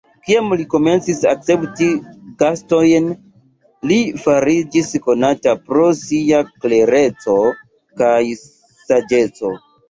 Kiam li komencis akcepti gastojn, li fariĝis konata pro sia klereco kaj saĝeco.